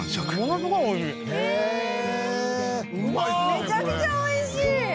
めちゃくちゃ美味しい！